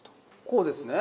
こうですね？